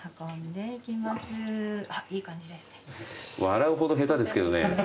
笑うほど下手ですけどね。